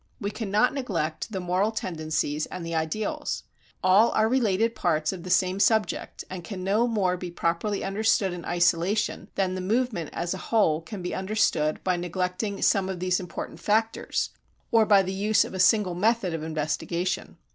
We cannot neglect the moral tendencies and the ideals. All are related parts of the same subject and can no more be properly understood in isolation than the movement as a whole can be understood by neglecting some of these important factors, or by the use of a single method of investigation.